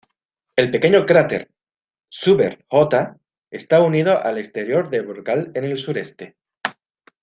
El pequeño cráter "Schubert J" está unido al exterior del brocal en el sureste.